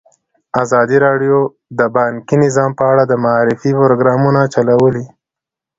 ازادي راډیو د بانکي نظام په اړه د معارفې پروګرامونه چلولي.